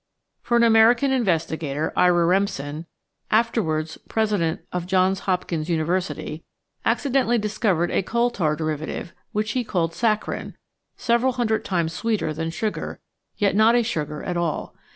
For an American investigator, Ira Remsen, afterwards President of Johns Hop kins University, accidentally discovered a coal tar derivative, which he called saccharin, several hundred times sweeter than sugar, yet not a sugar at all.